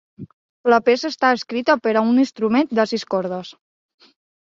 La peça està escrita per a un instrument de sis cordes.